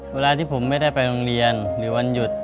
เวลาที่ผมไม่ได้ไปโรงเรียนหรือวันหยุด